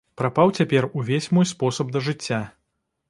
Прапаў цяпер увесь мой спосаб да жыцця.